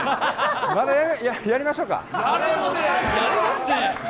まだやりましょうか？